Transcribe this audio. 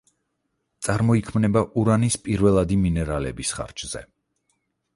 წარმოიქმნება ურანის პირველადი მინერალების ხარჯზე.